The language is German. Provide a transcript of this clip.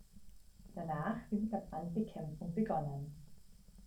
Danach wird mit der Brandbekämpfung begonnen.